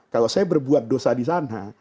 kalau saya berbuat dosa di sana